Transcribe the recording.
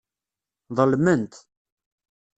Ḍelment.